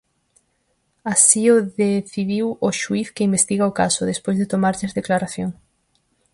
Así o decidiu o xuíz que investiga o caso, despois de tomarlles declaración.